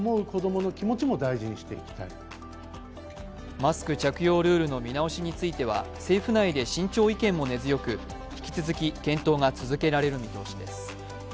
マスク着用ルールの見直しについては政府ないで慎重意見も根強く引き続き検討が進められる見通しです。